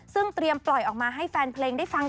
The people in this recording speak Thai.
ซึ่งเตรียมปล่อยออกมาให้แฟนเพลงได้ฟัง